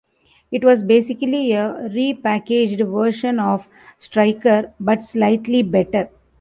It was basically a repackaged version of Striker, but slightly better.